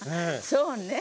そうね。